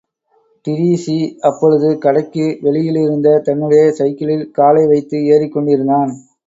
Treacy அப்பொழுது கடைக்கு வெளியிலிருந்த தன்னுடைய சைக்கிளில் காலை வைத்து ஏறிக்கொண்டிருந்தான்.